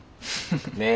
ねえ。